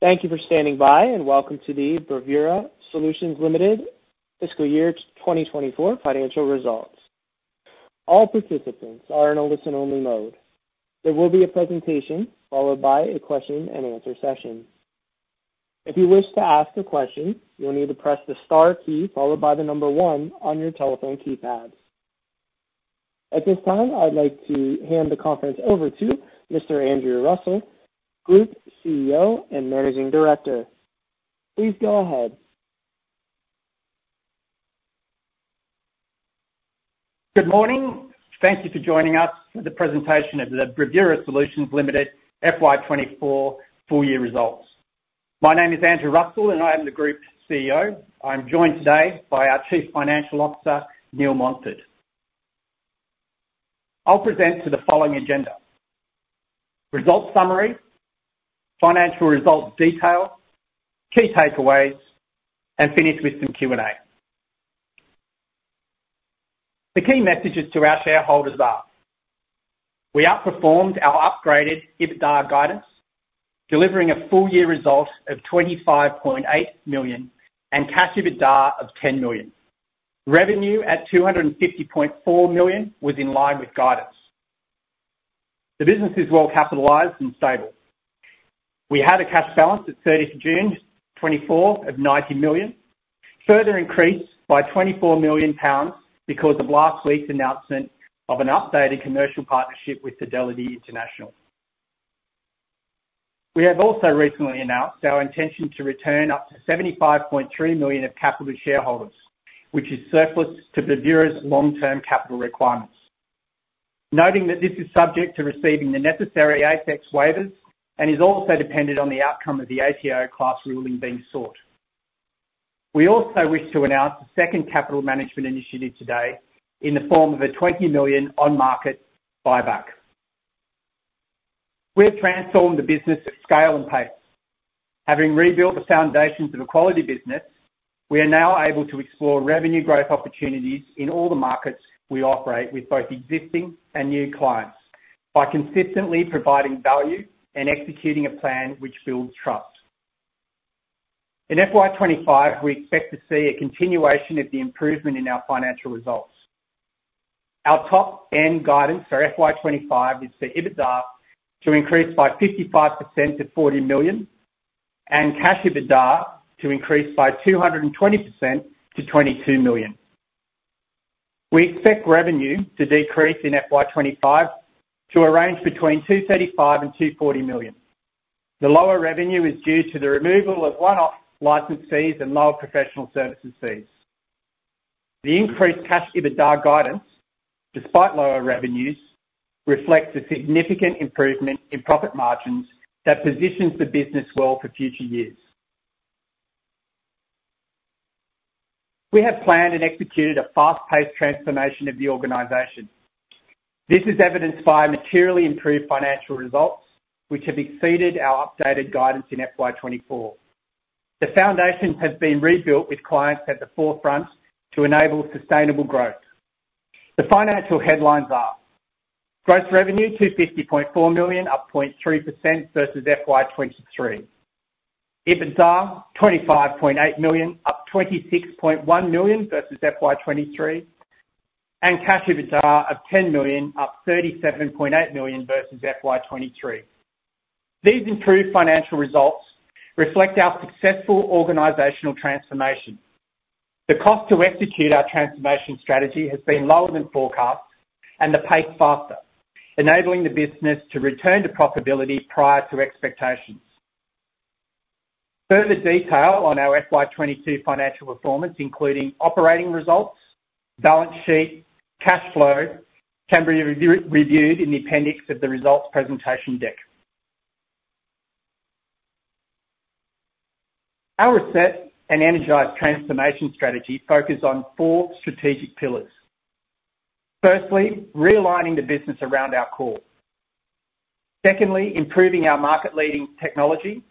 Thank you for standing by, and welcome to the Bravura Solutions Limited Fiscal Year 2024 Financial Results. All participants are in a listen-only mode. There will be a presentation, followed by a question-and-answer session. If you wish to ask a question, you'll need to press the star key followed by the number one on your telephone keypad. At this time, I'd like to hand the conference over to Mr. Andrew Russell, Group CEO and Managing Director. Please go ahead. Good morning. Thank you for joining us for the presentation of the Bravura Solutions Limited FY2024 Full-Year Results. My name is Andrew Russell, and I am the Group's CEO. I'm joined today by our Chief Financial Officer, Neil Montford. I'll present to the following agenda: result summary, financial results detail, key takeaways, and finish with some Q&A. The key messages to our shareholders are: We outperformed our upgraded EBITDA guidance, delivering a full-year result of 25.8 million and cash EBITDA of 10 million dollar. Revenue at 250.4 million was in line with guidance. The business is well capitalized and stable. We had a cash balance at June 30 2024 of 90 million, further increased by 24 million pounds because of last week's announcement of an updated commercial partnership with Fidelity International. We have also recently announced our intention to return up to 75.3 million of capital to shareholders, which is surplus to Bravura's long-term capital requirements. Noting that this is subject to receiving the necessary ASX waivers and is also dependent on the outcome of the ATO class ruling being sought. We also wish to announce the second capital management initiative today in the form of a 20 million on-market buyback. We have transformed the business at scale and pace. Having rebuilt the foundations of a quality business, we are now able to explore revenue growth opportunities in all the markets we operate, with both existing and new clients, by consistently providing value and executing a plan which builds trust. In FY2025, we expect to see a continuation of the improvement in our financial results. Our top end guidance for FY2025 is for EBITDA to increase by 55% to 40 million and cash EBITDA to increase by 220% to 22 million. We expect revenue to decrease in FY2025 to a range between 235 million and 240 million. The lower revenue is due to the removal of one-off license fees and lower professional services fees. The increased cash EBITDA guidance, despite lower revenues, reflects a significant improvement in profit margins that positions the business well for future years. We have planned and executed a fast-paced transformation of the organization. This is evidenced by materially improved financial results, which have exceeded our updated guidance in FY2024. The foundation has been rebuilt with clients at the forefront to enable sustainable growth. The financial headlines are: Gross revenue, 250.4 million, up 0.3% versus FY23. EBITDA, 25.8 million, up 26.1 million versus FY 2023, and cash EBITDA of 10 million, up 37.8 million versus FY 2023. These improved financial results reflect our successful organizational transformation. The cost to execute our transformation strategy has been lower than forecast and the pace faster, enabling the business to return to profitability prior to expectations. Further detail on our FY 2022 financial performance, including operating results, balance sheet, cash flow, can be reviewed in the appendix of the results presentation deck. Our reset and energized transformation strategy focused on four strategic pillars. Firstly, realigning the business around our core. Secondly, improving our market-leading technology.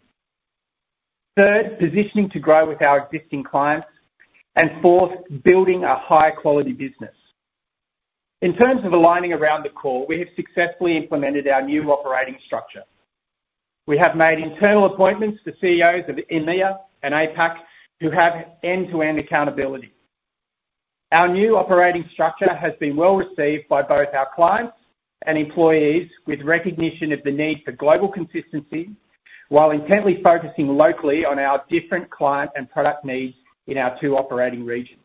Third, positioning to grow with our existing clients. And fourth, building a high-quality business. In terms of aligning around the core, we have successfully implemented our new operating structure. We have made internal appointments to CEOs of EMEA and APAC, who have end-to-end accountability. Our new operating structure has been well received by both our clients and employees, with recognition of the need for global consistency, while intently focusing locally on our different client and product needs in our two operating regions.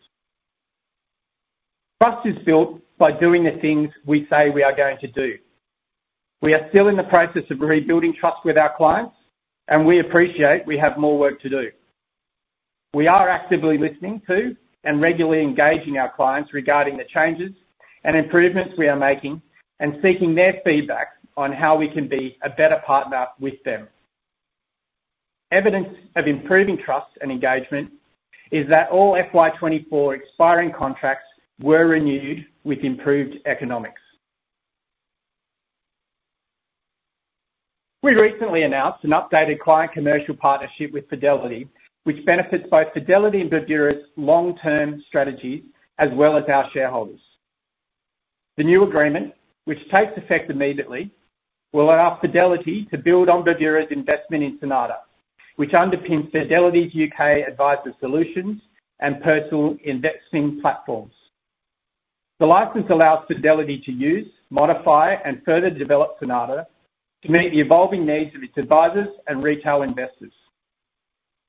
Trust is built by doing the things we say we are going to do. We are still in the process of rebuilding trust with our clients, and we appreciate we have more work to do. We are actively listening to and regularly engaging our clients regarding the changes and improvements we are making and seeking their feedback on how we can be a better partner with them. Evidence of improving trust and engagement is that all FY2024 expiring contracts were renewed with improved economics. We recently announced an updated client commercial partnership with Fidelity, which benefits both Fidelity and Bravura's long-term strategy, as well as our shareholders. The new agreement, which takes effect immediately, will allow Fidelity to build on Bravura's investment in Sonata, which underpins Fidelity's UK Adviser Solutions and Personal Investing platforms. The license allows Fidelity to use, modify, and further develop Sonata to meet the evolving needs of its advisors and retail investors.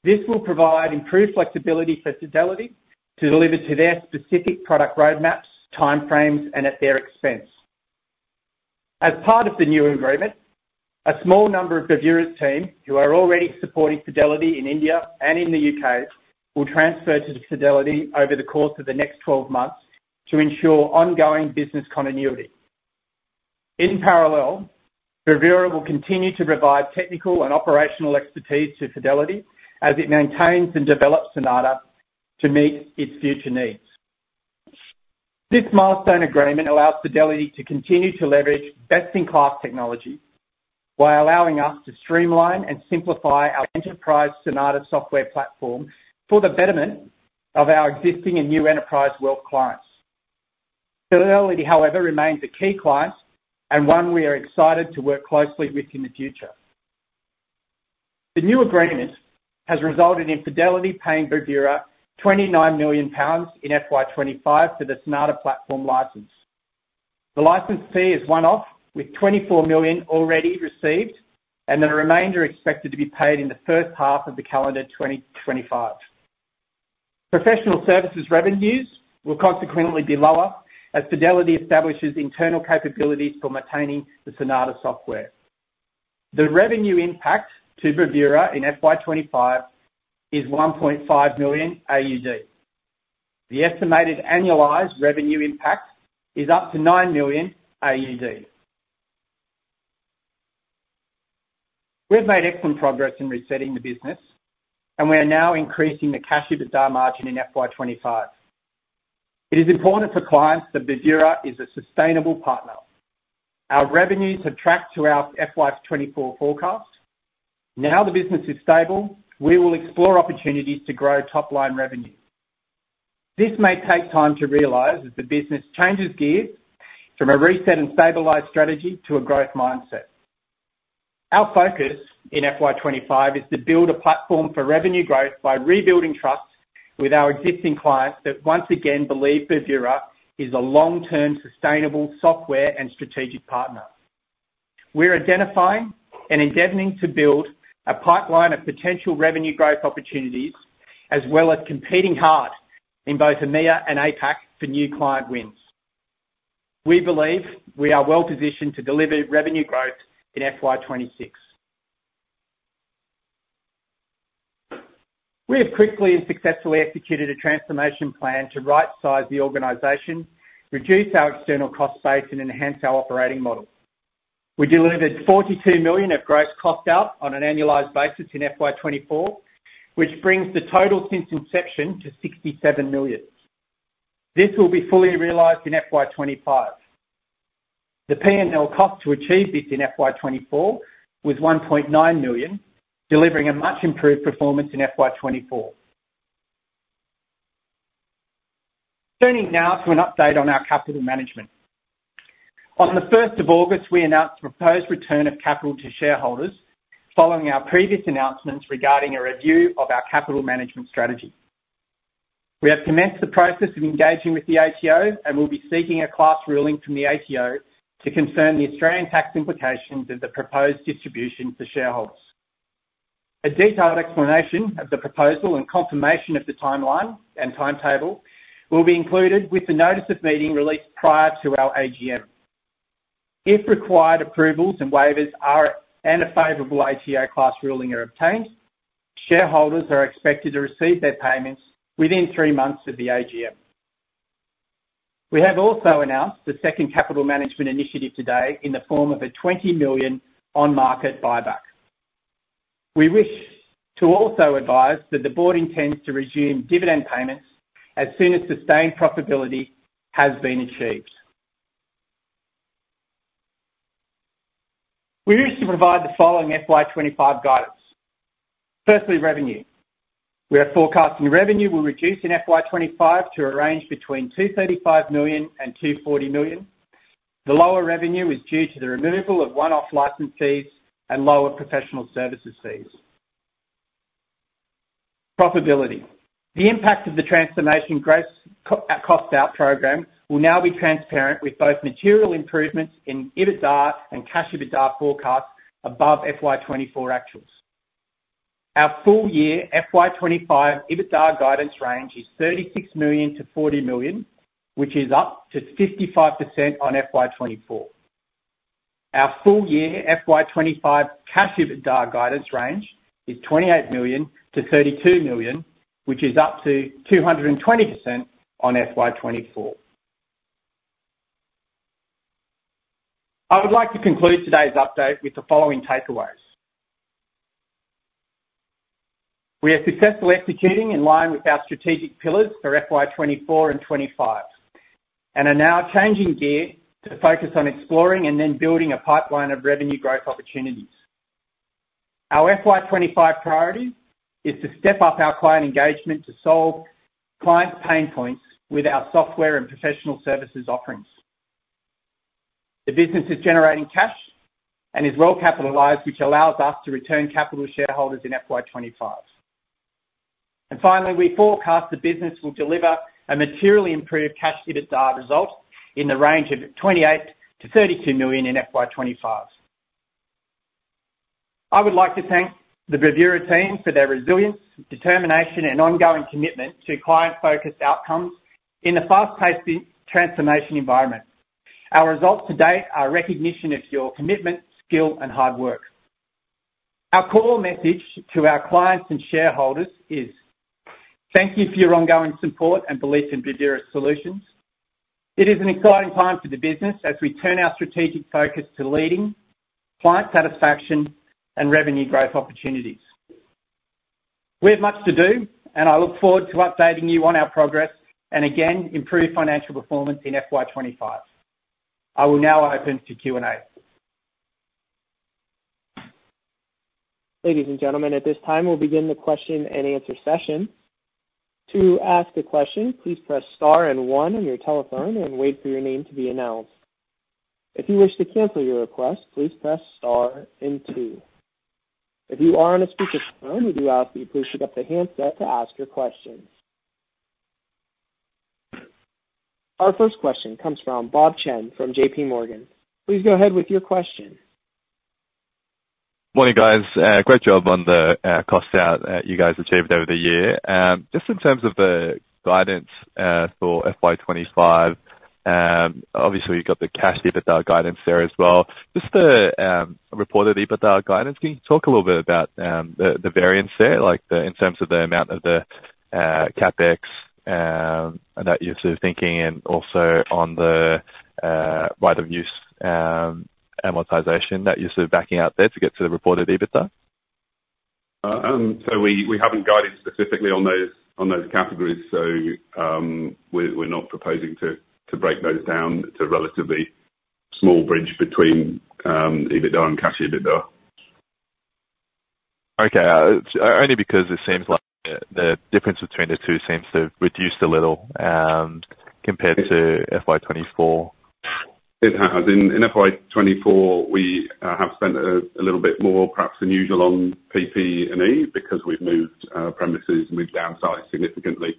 This will provide improved flexibility for Fidelity to deliver to their specific product roadmaps, timeframes, and at their expense. As part of the new agreement, a small number of Bravura's team, who are already supporting Fidelity in India and in the UK, will transfer to Fidelity over the course of the next twelve months to ensure ongoing business continuity. In parallel, Bravura will continue to provide technical and operational expertise to Fidelity as it maintains and develops Sonata to meet its future needs. This milestone agreement allows Fidelity to continue to leverage best-in-class technology, while allowing us to streamline and simplify our enterprise Sonata software platform for the betterment of our existing and new enterprise world clients. Fidelity, however, remains a key client and one we are excited to work closely with in the future. The new agreement has resulted in Fidelity paying Bravura 29 million pounds in FY2025 for the Sonata platform license. The license fee is one-off, with 24 million already received, and the remainder expected to be paid in the first half of the calendar 2025. Professional services revenues will consequently be lower as Fidelity establishes internal capabilities for maintaining the Sonata software. The revenue impact to Bravura in FY2025 is 1.5 million AUD. The estimated annualized revenue impact is up to 9 million AUD. We have made excellent progress in resetting the business, and we are now increasing the cash EBITDA margin in FY2025. It is important for clients that Bravura is a sustainable partner. Our revenues have tracked to our FY2024 forecast. Now the business is stable, we will explore opportunities to grow top-line revenue. This may take time to realize as the business changes gears from a reset and stabilized strategy to a growth mindset. Our focus in FY2025 is to build a platform for revenue growth by rebuilding trust with our existing clients that once again believe Bravura is a long-term, sustainable software and strategic partner. We're identifying and endeavoring to build a pipeline of potential revenue growth opportunities, as well as competing hard in both EMEA and APAC for new client wins. We believe we are well positioned to deliver revenue growth in FY26. We have quickly and successfully executed a transformation plan to rightsize the organization, reduce our external cost base, and enhance our operating model. We delivered 42 million of gross cost out on an annualized basis in FY2024, which brings the total since inception to 67 million. This will be fully realized in FY2025. The P&L cost to achieve this in FY2024 was 1.9 million, delivering a much improved performance in FY2024. Turning now to an update on our capital management. On the first of August, we announced a proposed return of capital to shareholders following our previous announcements regarding a review of our capital management strategy. We have commenced the process of engaging with the ATO and will be seeking a class ruling from the ATO concerning the Australian tax implications of the proposed distribution to shareholders. A detailed explanation of the proposal and confirmation of the timeline and timetable will be included with the notice of meeting released prior to our AGM. If required approvals and waivers, and a favorable ATO class ruling, are obtained, shareholders are expected to receive their payments within three months of the AGM. We have also announced the second capital management initiative today in the form of an 20 million on-market buyback. We wish to also advise that the board intends to resume dividend payments as soon as sustained profitability has been achieved. We wish to provide the following FY2025 guidance. Firstly, revenue. We are forecasting revenue will reduce in FY2025 to a range between 235 million and 240 million. The lower revenue is due to the removal of one-off license fees and lower professional services fees. Profitability. The impact of the transformation gross cost out program will now be transparent, with both material improvements in EBITDA and cash EBITDA forecasts above FY2024 actuals. Our full year FY2025 EBITDA guidance range is 36 million-40 million, which is up to 55% on FY2024. Our full year FY2025 cash EBITDA guidance range is 28 million-32 million, which is up to 220% on FY2024. I would like to conclude today's update with the following takeaways. We are successfully executing in line with our strategic pillars for FY2024 and 25, and are now changing gear to focus on exploring and then building a pipeline of revenue growth opportunities... Our FY2025 priority is to step up our client engagement to solve client pain points with our software and professional services offerings. The business is generating cash and is well capitalized, which allows us to return capital to shareholders in FY2025. And finally, we forecast the business will deliver a materially improved Cash EBITDA result in the range of 28 million-32 million in FY2025. I would like to thank the Bravura team for their resilience, determination, and ongoing commitment to client-focused outcomes in a fast-paced transformation environment. Our results to date are recognition of your commitment, skill, and hard work. Our core message to our clients and shareholders is thank you for your ongoing support and belief in Bravura Solutions. It is an exciting time for the business as we turn our strategic focus to leading client satisfaction and revenue growth opportunities. We have much to do, and I look forward to updating you on our progress and again, improved financial performance in FY2025. I will now open to Q&A. Ladies and gentlemen, at this time, we'll begin the question and answer session. To ask a question, please press star and one on your telephone and wait for your name to be announced. If you wish to cancel your request, please press star and two. If you are on a speakerphone, we do ask that you please pick up the handset to ask your question. Our first question comes from Bob Chen from J.P. Morgan. Please go ahead with your question. Morning, guys. Great job on the cost out you guys achieved over the year. Just in terms of the guidance for FY2025, obviously, you've got the cash EBITDA guidance there as well. Just the reported EBITDA guidance, can you talk a little bit about the variance there, like, in terms of the amount of the CapEx and that you're sort of thinking, and also on the right of use amortization that you're sort of backing out there to get to the reported EBITDA? We haven't guided specifically on those categories, so we're not proposing to break those down. It's a relatively small bridge between EBITDA and cash EBITDA. Okay. It's only because it seems like the difference between the two seems to have reduced a little, compared to FY2024. It has. In FY2024, we have spent a little bit more, perhaps than usual, on PP&E, because we've moved premises and moved downsize significantly,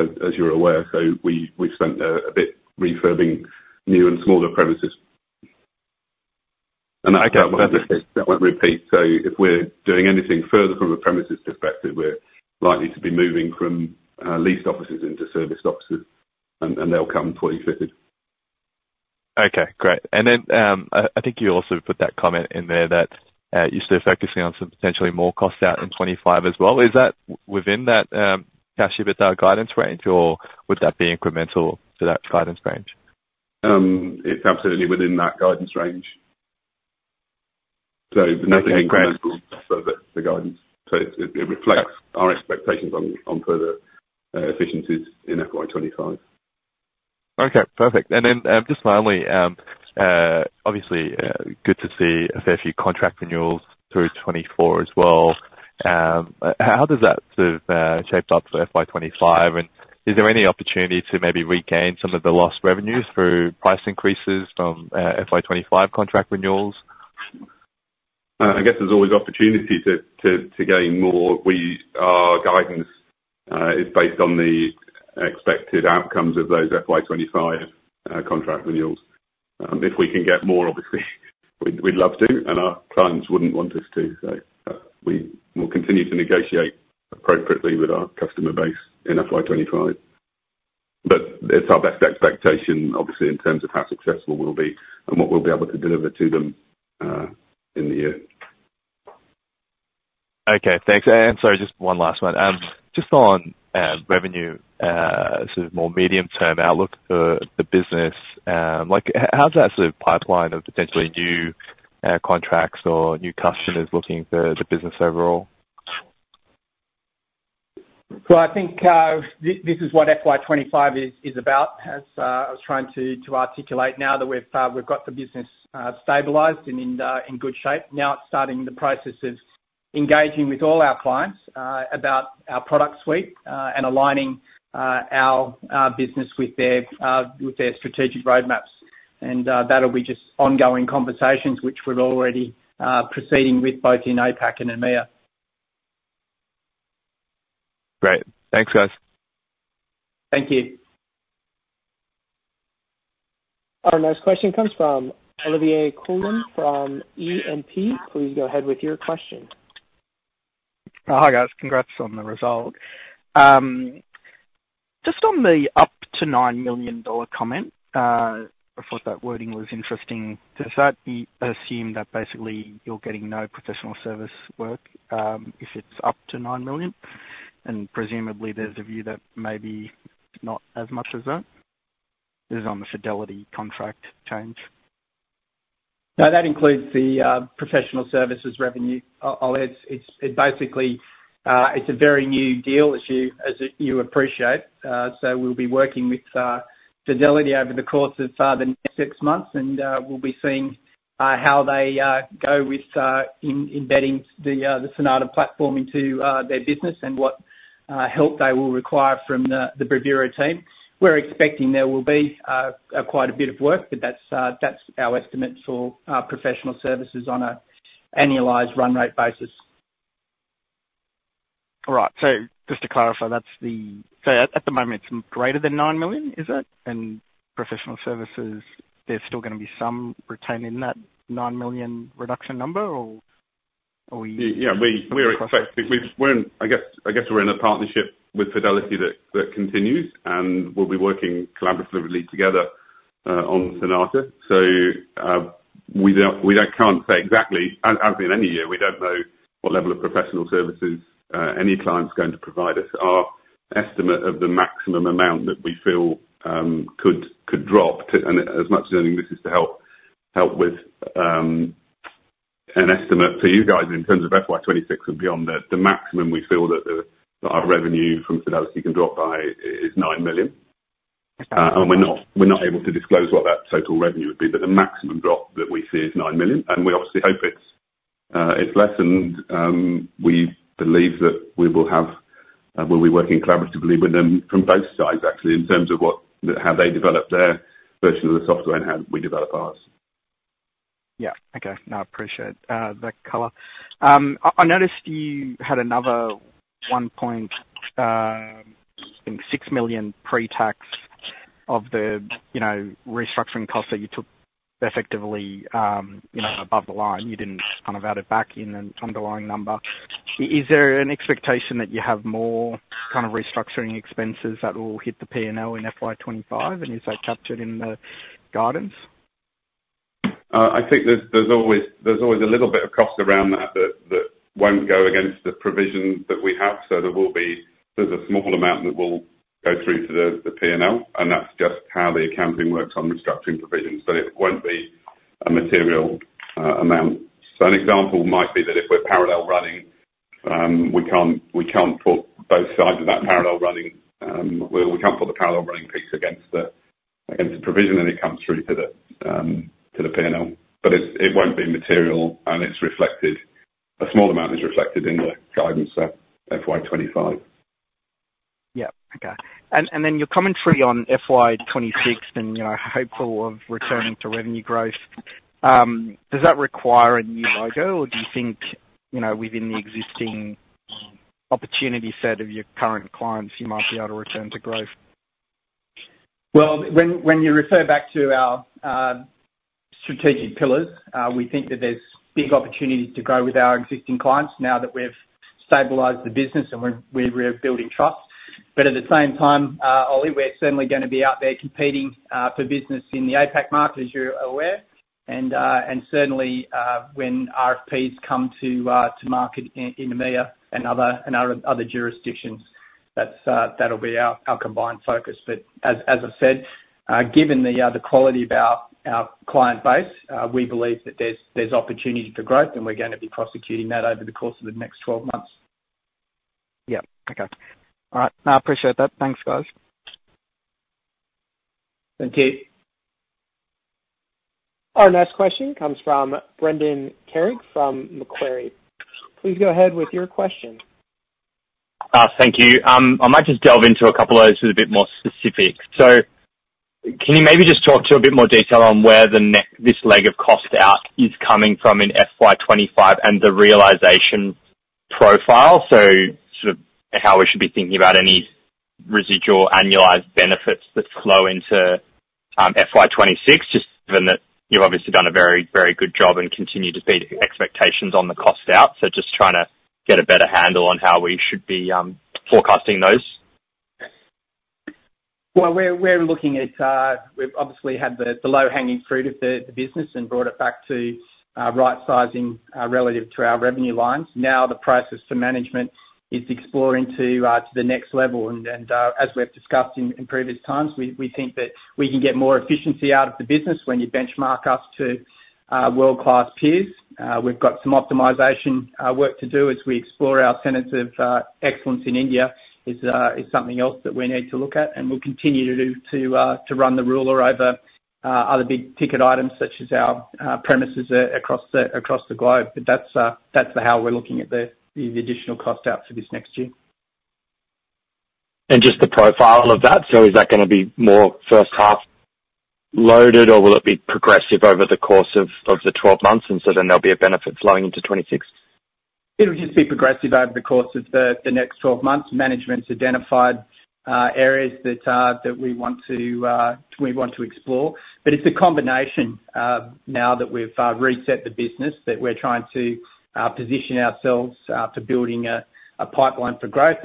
as you're aware, so we've spent a bit refurbing new and smaller premises. That won't repeat. If we're doing anything further from a premises perspective, we're likely to be moving from leased offices into serviced offices, and they'll come fully fitted. Okay, great. And then I think you also put that comment in there that you're still focusing on some potentially more costs out in 25 as well. Is that within that cash EBITDA guidance range, or would that be incremental to that guidance range? It's absolutely within that guidance range. So the guidance, so it reflects our expectations on further efficiencies in FY2025. Okay, perfect. Just finally, obviously, good to see a fair few contract renewals through 24 as well. How does that sort of shape up for FY2025, and is there any opportunity to maybe regain some of the lost revenues through price increases from FY2025 contract renewals? I guess there's always opportunity to gain more. Our guidance is based on the expected outcomes of those FY2025 contract renewals. If we can get more, obviously we'd love to, and our clients wouldn't want us to, so we will continue to negotiate appropriately with our customer base in FY2025. But it's our best expectation, obviously, in terms of how successful we'll be and what we'll be able to deliver to them in the year. Okay, thanks. Sorry, just one last one. Just on revenue, sort of more medium-term outlook for the business, like how's that sort of pipeline of potentially new contracts or new customers looking for the business overall? Well, I think this is what FY2025 is about. As I was trying to articulate, now that we've got the business stabilized and in good shape, now it's starting the process of engaging with all our clients about our product suite and aligning our business with their strategic roadmaps. And that'll be just ongoing conversations, which we're already proceeding with both in APAC and EMEA. Great. Thanks, guys. Thank you. Our next question comes from Olivier Kouvaris from E&P Financial Group. Please go ahead with your question. Hi, guys. Congrats on the result. Just on the up to 9 million dollar comment, I thought that wording was interesting. Does that assume that basically you're getting no professional service work, if it's up to 9 million? And presumably there's a view that maybe not as much as that is on the Fidelity contract change. No, that includes the professional services revenue. Olivier, it's basically. It's a very new deal, as you appreciate. So we'll be working with Fidelity over the course of the next six months, and we'll be seeing how they go with in embedding the Sonata platform into their business and what help they will require from the Bravura team. We're expecting there will be quite a bit of work, but that's our estimate for our professional services on a annualized run rate basis. All right. So just to clarify, that's the... So at the moment, it's greater than 9 million, is it? And professional services, there's still gonna be some retained in that 9 million reduction number, or you- Yeah, I guess we're in a partnership with Fidelity that continues, and we'll be working collaboratively together on Sonata. So, we don't, can't say exactly, as in any year, we don't know what level of professional services any client's going to provide us. Our estimate of the maximum amount that we feel could drop to, and as much as anything, this is to help with an estimate to you guys in terms of FY 2026 and beyond, the maximum we feel that our revenue from Fidelity can drop by is 9 million. And we're not able to disclose what that total revenue would be, but the maximum drop that we see is 9 million, and we obviously hope it's lessened. We believe that we will have, we'll be working collaboratively with them from both sides, actually, in terms of what, how they develop their version of the software and how we develop ours. Yeah. Okay. No, I appreciate that color. I noticed you had another 1.6 million pre-tax of the, you know, restructuring costs that you took effectively, you know, above the line. You didn't kind of add it back in an underlying number. Is there an expectation that you have more kind of restructuring expenses that will hit the P&L in FY2025, and is that captured in the guidance? I think there's always a little bit of cost around that that won't go against the provisions that we have, so there will be... There's a small amount that will go through to the P&L, and that's just how the accounting works on restructuring provisions, but it won't be a material amount. So an example might be that if we're parallel running, we can't put both sides of that parallel running, well, we can't put the parallel running piece against the provision, and it comes through to the P&L. But it won't be material, and it's reflected, a small amount is reflected in the guidance for FY2025. Yeah. Okay. And then your commentary on FY26 and, you know, hopeful of returning to revenue growth, does that require a new logo, or do you think, you know, within the existing opportunity set of your current clients, you might be able to return to growth? Well, when you refer back to our strategic pillars, we think that there's big opportunities to grow with our existing clients now that we've stabilized the business and we're rebuilding trust. But at the same time, Ollie, we're certainly gonna be out there competing for business in the APAC market, as you're aware, and certainly when RFPs come to market in EMEA and other jurisdictions, that's, that'll be our combined focus. But as I've said, given the quality of our client base, we believe that there's opportunity for growth, and we're gonna be prosecuting that over the course of the next twelve months. Yeah. Okay. All right. No, I appreciate that. Thanks, guys. Thank you. Our next question comes from Brendan Carrig from Macquarie. Please go ahead with your question. Thank you. I might just delve into a couple of areas that are a bit more specific. So can you maybe just talk to a bit more detail on where this leg of cost out is coming from in FY2025 and the realization profile? So sort of how we should be thinking about any residual annualized benefits that flow into FY26, just given that you've obviously done a very, very good job and continue to beat expectations on the cost out. So just trying to get a better handle on how we should be forecasting those. Well, we're looking at... We've obviously had the low-hanging fruit of the business and brought it back to right-sizing relative to our revenue lines. Now, the process to management is exploring to the next level, and as we've discussed in previous times, we think that we can get more efficiency out of the business when you benchmark us to world-class peers. We've got some optimization work to do as we explore our centers of excellence in India, is something else that we need to look at, and we'll continue to run the ruler over other big-ticket items, such as our premises across the globe. But that's the how we're looking at the additional cost out for this next year. Just the profile of that, so is that gonna be more first half-loaded, or will it be progressive over the course of the twelve months, and so then there'll be a benefit flowing into 2026? It'll just be progressive over the course of the next 12 months. Management's identified areas that we want to explore. But it's a combination now that we've reset the business, that we're trying to position ourselves for building a pipeline for growth.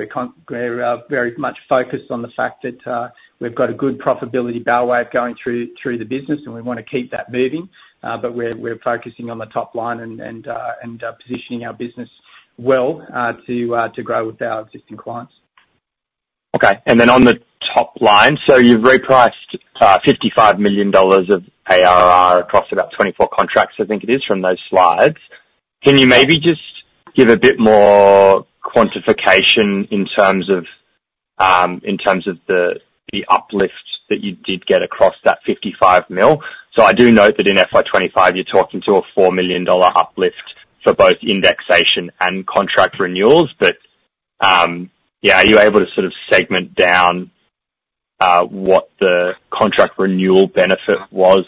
We're very much focused on the fact that we've got a good profitability bellwether going through the business, and we wanna keep that moving. But we're focusing on the top line and positioning our business well to grow with our existing clients.... Okay, and then on the top line, so you've repriced 55 million dollars of ARR across about 24 contracts, I think it is, from those slides. Can you maybe just give a bit more quantification in terms of the uplifts that you did get across that 55 mil? So I do note that in FY2025, you're talking to a 4 million dollar uplift for both indexation and contract renewals. But, yeah, are you able to sort of segment down what the contract renewal benefit was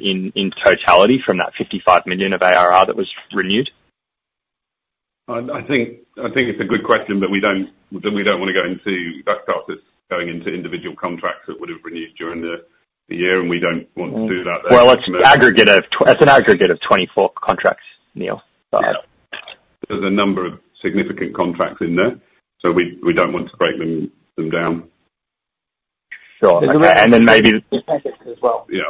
in totality from that 55 million of ARR that was renewed? I think it's a good question, but we don't wanna go into that stuff that's going into individual contracts that would've renewed during the year, and we don't want to do that- Well, it's an aggregate of 24 contracts, Neil. There's a number of significant contracts in there, so we don't want to break them down. Sure. And then maybe- As well. Yeah.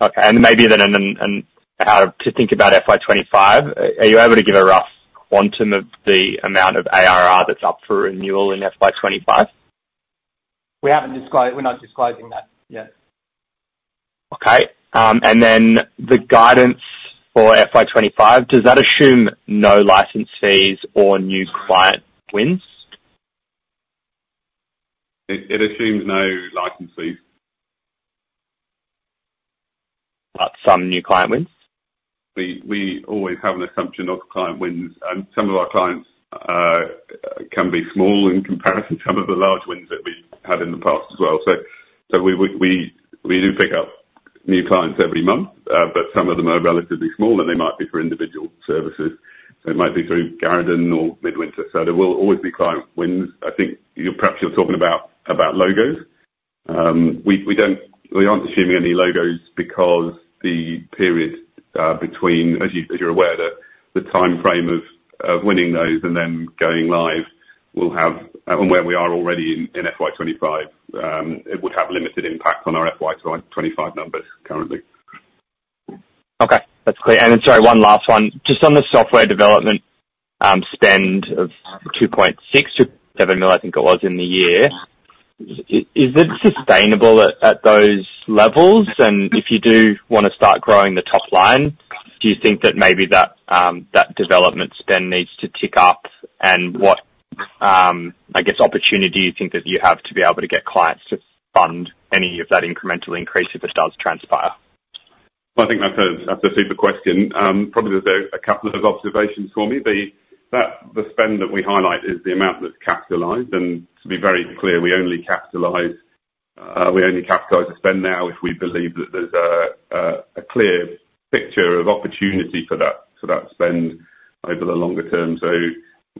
Okay. And maybe then, how to think about FY2025, are you able to give a rough quantum of the amount of ARR that's up for renewal in FY2025? We haven't, we're not disclosing that yet. Okay. And then the guidance for FY2025, does that assume no license fees or new client wins? It assumes no license fees. But some new client wins? We always have an assumption of client wins, and some of our clients can be small in comparison to some of the large wins that we've had in the past as well. So we do pick up new clients every month, but some of them are relatively small, and they might be for individual services. So it might be through Garradin or Midwinter, so there will always be client wins. I think you're perhaps talking about logos. We aren't assuming any logos because the period between, as you're aware, the timeframe of winning those and then going live will have... And where we are already in FY2025, it would have limited impact on our FY2025 numbers currently. Okay, that's clear. And then, sorry, one last one. Just on the software development spend of 2.6 million-7 million, I think it was, in the year. Is it sustainable at those levels? And if you do wanna start growing the top line, do you think that maybe that development spend needs to tick up, and what, I guess, opportunity you think that you have to be able to get clients to fund any of that incremental increase if it does transpire? I think that's a, that's a super question. Probably there's a couple of observations for me. The spend that we highlight is the amount that's capitalized, and to be very clear, we only capitalize the spend now if we believe that there's a clear picture of opportunity for that spend over the longer term. So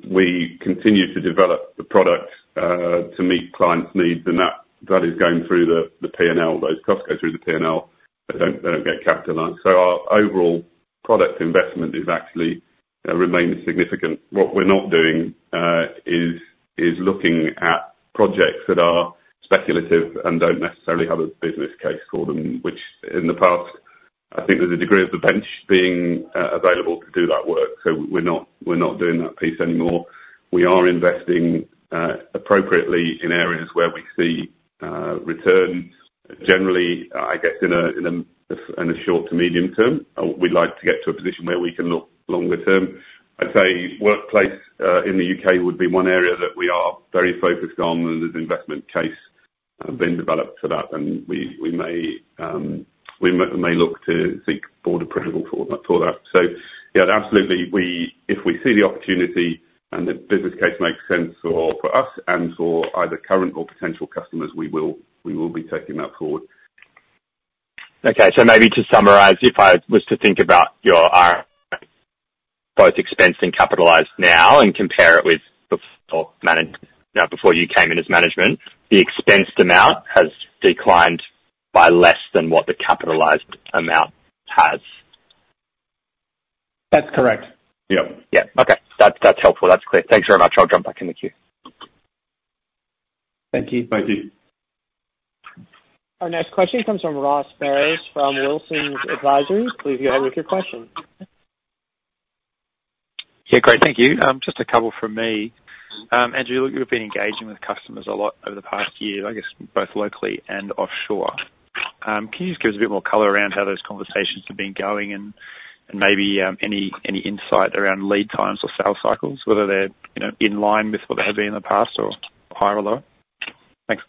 we continue to develop the product to meet clients' needs, and that is going through the P&L. Those costs go through the P&L, they don't get capitalized. So our overall product investment is actually remains significant. What we're not doing is looking at projects that are speculative and don't necessarily have a business case for them, which in the past, I think there's a degree of the bench being available to do that work. So we're not doing that piece anymore. We are investing appropriately in areas where we see return. Generally, I guess in a short to medium term, we'd like to get to a position where we can look longer term. I'd say workplace in the UK would be one area that we are very focused on, and there's investment case being developed for that, and we may look to seek board approval for that. So yeah, absolutely, if we see the opportunity, and the business case makes sense for us and for either current or potential customers, we will be taking that forward. Okay. So maybe to summarize, if I was to think about your R&D, both expensed and capitalized now, and compare it with before you came in as management, the expensed amount has declined by less than what the capitalized amount has? That's correct. Yep. Yeah. Okay. That's, that's helpful. That's clear. Thanks very much. I'll jump back in the queue. Thank you. Thank you. Our next question comes from Ross Harris, from Wilsons Advisory. Please go ahead with your question. Yeah, great. Thank you. Just a couple from me. Andrew, you've been engaging with customers a lot over the past year, I guess both locally and offshore. Can you just give us a bit more color around how those conversations have been going and maybe any insight around lead times or sales cycles, whether they're, you know, in line with what they have been in the past or higher or lower? Thanks.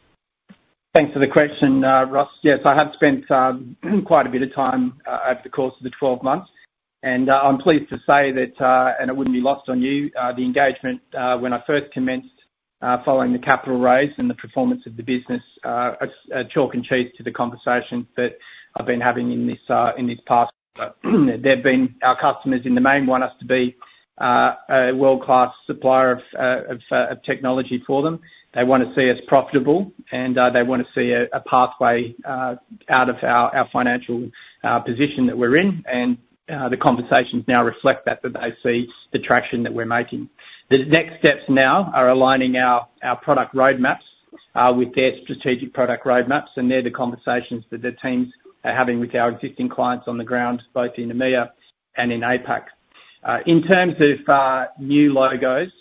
Thanks for the question, Ross. Yes, I have spent quite a bit of time over the course of the 12 months, and I'm pleased to say that, and it wouldn't be lost on you, the engagement when I first commenced following the capital raise and the performance of the business. It's chalk and cheese to the conversations that I've been having in this, in this past. They've been... Our customers, in the main, want us to be a world-class supplier of technology for them. They wanna see us profitable, and they wanna see a pathway out of our financial position that we're in, and the conversations now reflect that they see the traction that we're making. The next steps now are aligning our product roadmaps with their strategic product roadmaps, and they're the conversations that the teams are having with our existing clients on the ground, both in EMEA and in APAC. In terms of new logos,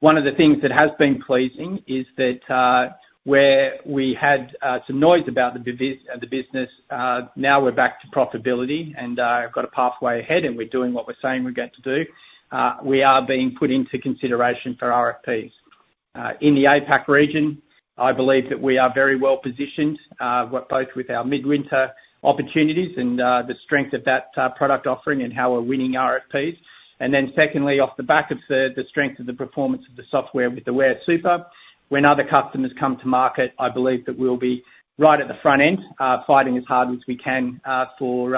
one of the things that has been pleasing is that where we had some noise about the business, now we're back to profitability, and we've got a pathway ahead, and we're doing what we're saying we're going to do. We are being put into consideration for RFPs. In the APAC region, I believe that we are very well positioned both with our Midwinter opportunities and the strength of that product offering and how we're winning RFPs. And then secondly, off the back of the strength of the performance of the software with Aware Super, when other customers come to market, I believe that we'll be right at the front end, fighting as hard as we can, for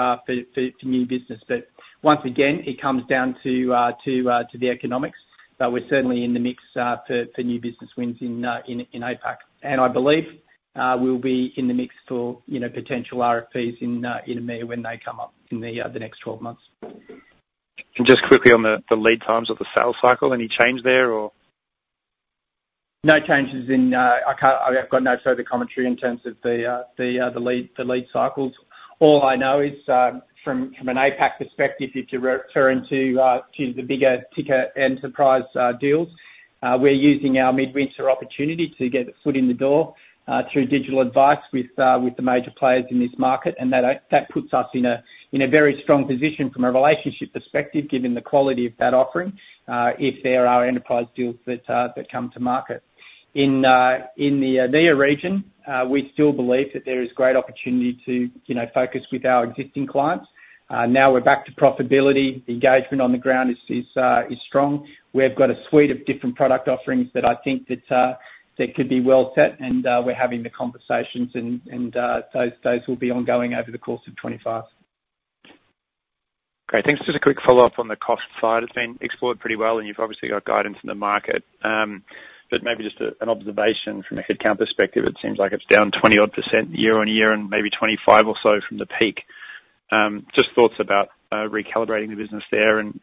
new business. But once again, it comes down to the economics, but we're certainly in the mix, for new business wins in APAC. And I believe, we'll be in the mix for, you know, potential RFPs in EMEA when they come up in the next twelve months. Just quickly on the lead times of the sales cycle, any change there or? No changes in. I've got no further commentary in terms of the lead cycles. All I know is, from an APAC perspective, if you're referring to the bigger ticket enterprise deals, we're using our Midwinter opportunity to get our foot in the door through digital advice with the major players in this market. And that puts us in a very strong position from a relationship perspective, given the quality of that offering, if there are enterprise deals that come to market. In the EMEA region, we still believe that there is great opportunity to, you know, focus with our existing clients. Now we're back to profitability. Engagement on the ground is strong. We've got a suite of different product offerings that I think that could be well set, and we're having the conversations, and those will be ongoing over the course of 2025. Great, thanks. Just a quick follow-up on the cost side. It's been explored pretty well, and you've obviously got guidance in the market. But maybe just an observation from a headcount perspective, it seems like it's down 20-odd% year-on-year, and maybe 25 or so from the peak. Just thoughts about recalibrating the business there and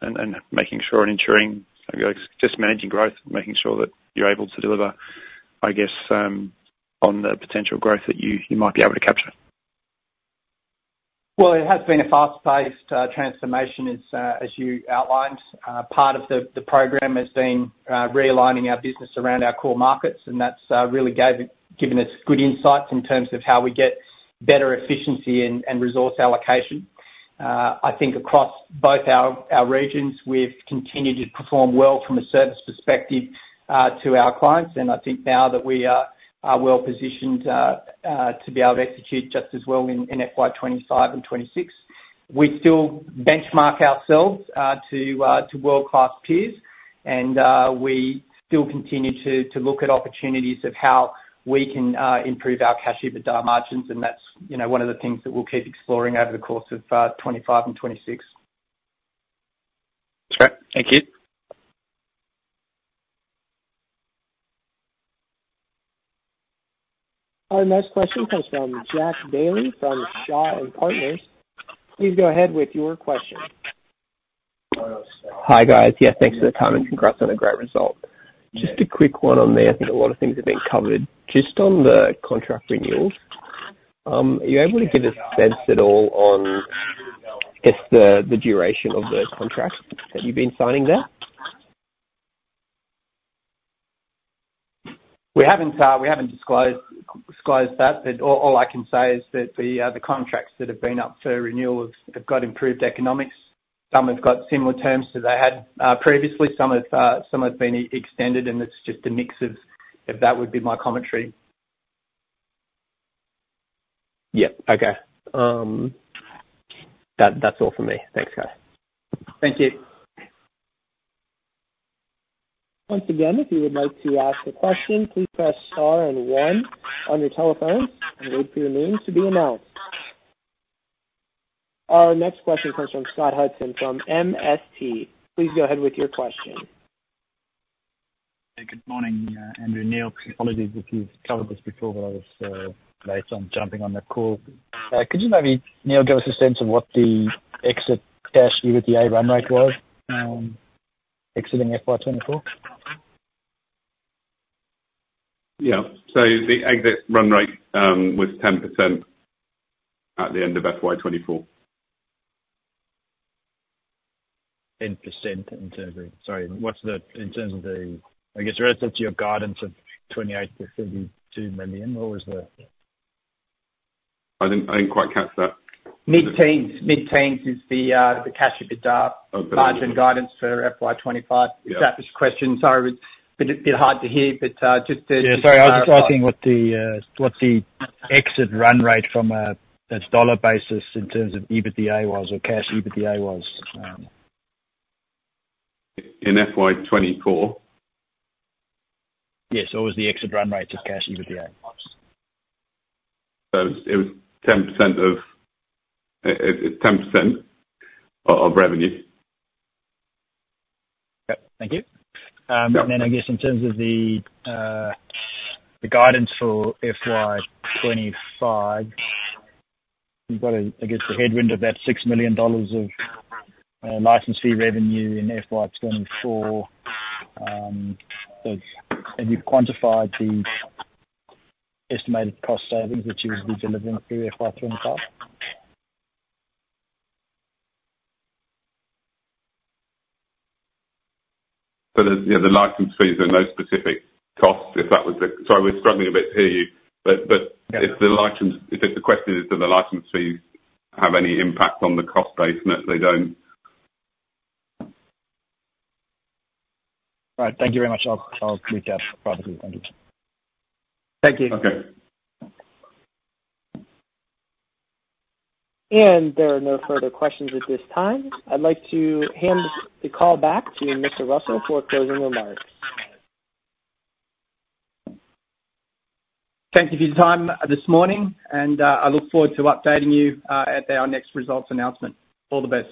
making sure and ensuring, I guess, just managing growth and making sure that you're able to deliver, I guess, on the potential growth that you might be able to capture. Well, it has been a fast-paced transformation, as you outlined. Part of the program has been realigning our business around our core markets, and that's really given us good insights in terms of how we get better efficiency and resource allocation. I think across both our regions, we've continued to perform well from a service perspective to our clients, and I think now that we are well positioned to be able to execute just as well in FY2025 and 26. We still benchmark ourselves to world-class peers, and we still continue to look at opportunities of how we can improve our Cash EBITDA margins, and that's, you know, one of the things that we'll keep exploring over the course of 25 and 26. Great. Thank you. Our next question comes from Jack Daly from Shaw and Partners. Please go ahead with your question. Hi, guys. Yeah, thanks for the comment, and congrats on a great result. Just a quick one on there. I think a lot of things have been covered. Just on the contract renewals, are you able to give a sense at all on, I guess, the duration of the contracts that you've been signing there? We haven't disclosed that, but all I can say is that the contracts that have been up for renewal have got improved economics. Some have got similar terms to they had previously. Some have been extended, and it's just a mix of... If that would be my commentary. Yeah. Okay. That, that's all for me. Thanks, guys. Thank you. Once again, if you would like to ask a question, please press star and one on your telephone and wait for your name to be announced. Our next question comes from Scott Hudson from MST. Please go ahead with your question. Hey, good morning, Andrew, Neil. Apologies if you've covered this before, but I was late on jumping on the call. Could you maybe, Neil, give us a sense of what the exit cash EBITDA run rate was, exiting FY2024? Yeah. So the exit run rate was 10% at the end of FY 2024. 10% in terms of the... Sorry, what's the, in terms of the, I guess, relative to your guidance of 28 million-32 million, what was the- I didn't quite catch that. Mid-teens. Mid-teens is the cash EBITDA- Okay. Margin guidance for FY2025. Yeah. If that was the question, sorry, it's a bit hard to hear, but just to- Yeah, sorry, I was just asking what the exit run rate from a dollar basis in terms of EBITDA was, or cash EBITDA was, In FY2024? Yes, what was the exit run rate of Cash EBITDA? So, it was 10% of. It's 10% of revenue. Yep, thank you. Yep. Then I guess in terms of the guidance for FY2025, you've got a, I guess, a headwind of that 6 million dollars of license fee revenue in FY2024. Have you quantified the estimated cost savings, which you'll be delivering through FY2025? The license fees are no specific cost, if that was the... Sorry, we're struggling a bit to hear you. But... Yeah. If the question is, do the license fees have any impact on the cost base? No, they don't. All right. Thank you very much. I'll read that properly. Thank you. Thank you. Okay. There are no further questions at this time. I'd like to hand the call back to Mr. Russell for closing remarks. Thank you for your time this morning, and I look forward to updating you at our next results announcement. All the best.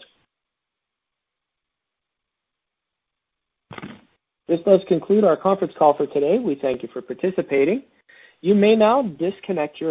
This does conclude our conference call for today. We thank you for participating. You may now disconnect your-